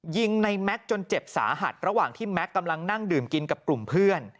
ยิงในแม็กซ์จนเจ็บสาหัสระหว่างที่แม็กซ์กำลังนั่งดื่มกินกับกลุ่มเพื่อน